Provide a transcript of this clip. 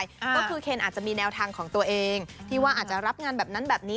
ก็คือเคนอาจจะมีแนวทางของตัวเองที่ว่าอาจจะรับงานแบบนั้นแบบนี้